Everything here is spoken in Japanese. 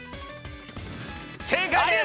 正解です！